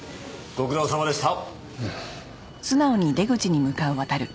ご苦労さまでした。